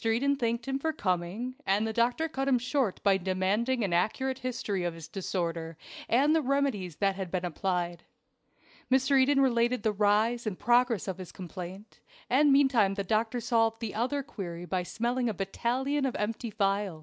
Eden thanked him for coming, and the doctor cut him short by demanding an accurate history of his disorder, and the remedies that had been applied. Mr. Eden related the rise and progress of his complaint, and meantime the doctor solved the other query by smelling a battalion of empty phials.